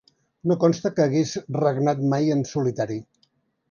No consta que hagués regnat mai en solitari.